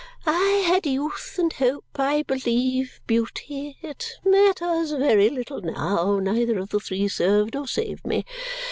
"I had youth and hope. I believe, beauty. It matters very little now. Neither of the three served or saved me.